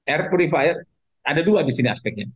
air purifier ada dua disini aspeknya